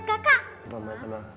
gak ada apaan